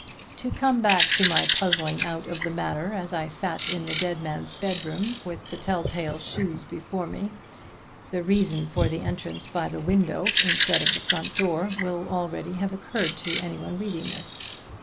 To come back to my puzzling out of the matter as I sat in the dead man's bedroom with the tell tale shoes before me: the reason for the entrance by the window instead of by the front door will already have occurred to any one reading this.